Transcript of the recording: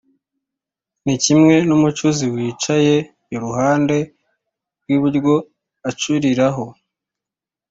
Ni kimwe n’umucuzi wicaye iruhande rw’ibuye acuriraho,